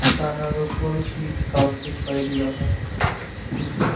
ডানার ওপর পিঠ কালচে খয়েরি রঙের।